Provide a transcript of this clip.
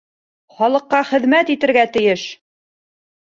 Халыҡҡа хеҙмәт итергә тейеш!